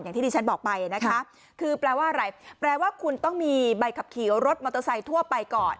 ที่ที่ฉันบอกไปนะคะคือแปลว่าอะไรแปลว่าคุณต้องมีใบขับขี่รถมอเตอร์ไซค์ทั่วไปก่อน